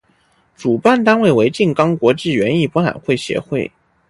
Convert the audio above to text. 主办单位为静冈国际园艺博览会协会。